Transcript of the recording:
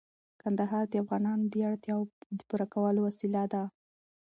کندهار د افغانانو د اړتیاوو د پوره کولو وسیله ده.